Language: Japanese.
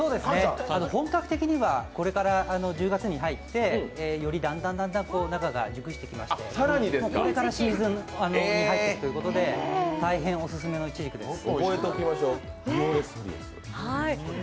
本格的にはこれから１０月に入ってよりだんだん中が熟してきましてこれからシーズンに入るということで大変オススメのイチジクです。